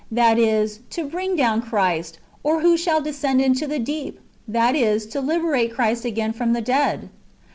that is, to bring down Christ ; or who shall descend into the deep ? that is, to liberate Christ again from the dead."